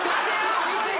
おい！